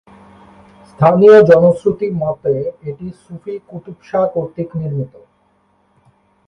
স্থানীয় জনশ্রুতি মতে এটি সুফি কুতুবশাহ কর্তৃক নির্মিত।